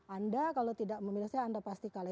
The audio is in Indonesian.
anda kalau tidak memilih saya anda pasti kalah